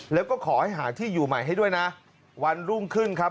แล้วก็ขอให้หาที่อยู่ใหม่ให้ด้วยนะวันรุ่งขึ้นครับ